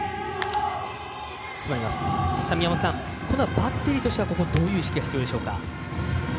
バッテリーとしてはどういう意識が必要でしょうか。